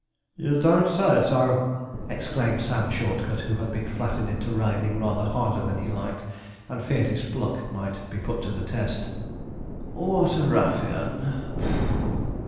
'You don't say so!' exclaimed Sam Shortcut, who had been flattered into riding rather harder than he liked, and feared his pluck might be put to the test. 'What a ruffian!'